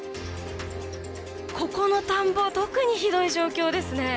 ここの田んぼ特にひどい状況ですね。